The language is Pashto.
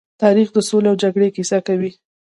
تاریخ د سولې او جګړې کيسه کوي.